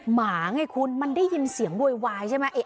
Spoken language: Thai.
หมาไงคุณมันได้ยินเสียงโวยวายใช่ไหม